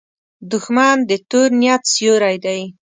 دښمن د تور نیت سیوری دی